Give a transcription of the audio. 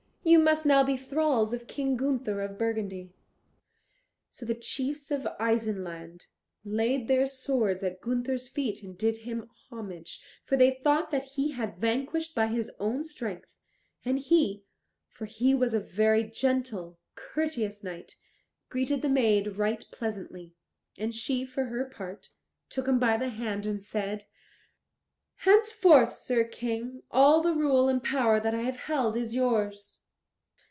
You must now be thralls of King Gunther of Burgundy." So the chiefs of Isenland laid their swords at Gunther's feet and did him homage, for they thought that he had vanquished by his own strength; and he, for he was a very gentle, courteous knight, greeted the maid right pleasantly, and she, for her part, took him by the hand and said, "Henceforth, Sir King, all the rule and power that I have held is yours."